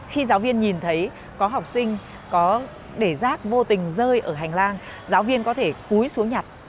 khi giáo viên nhìn thấy có học sinh có để rác vô tình rơi ở hành lang giáo viên có thể cúi xuống nhặt